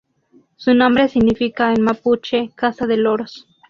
Su nombre significa en mapuche: 'casa de loros'.